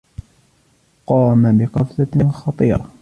قام بقفزة خطيرة.